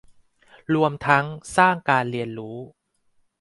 รวมทั้งสร้างการเรียนรู้